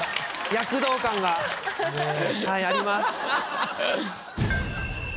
躍動感がはいあります。